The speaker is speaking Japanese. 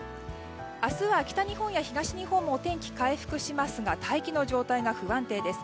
明日は、北日本や東日本もお天気は回復しますが大気の状態が不安定です。